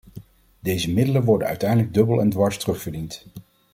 Deze middelen worden uiteindelijk dubbel en dwars terugverdiend.